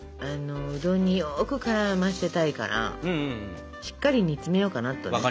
うどんによく絡ませたいからしっかり煮詰めようかなと。